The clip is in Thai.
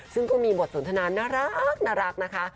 ซึ่งก็มีบทสนทนานน่ารัก